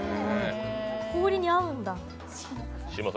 氷に合うんだ。